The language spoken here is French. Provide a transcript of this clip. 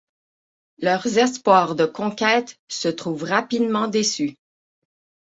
Leurs espoirs de conquêtes se trouvent rapidement déçus.